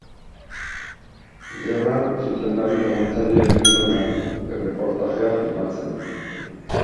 Gerran zuzendari laguntzaile egin zuen lan, erreportajeak filmatzen.